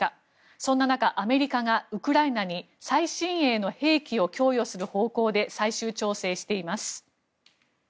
そんな中アメリカがウクライナに最新鋭の兵器を供与する方向で最終調整しています。